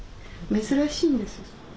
珍しいんです。